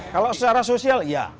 kalau secara sosial ya